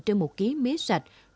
trên một kg mía sạch